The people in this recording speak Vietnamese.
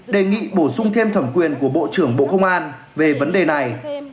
đề nghị bổ sung thêm thẩm quyền của bộ trưởng bộ công an về vấn đề này